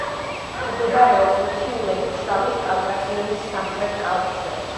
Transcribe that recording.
მდებარეობს მთიულეთ-ფშავის კავკასიონის სამხრეთ კალთზე.